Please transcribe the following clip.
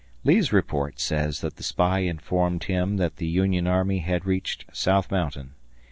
Lee's report says that the spy informed him that the Union army had reached South Mountain.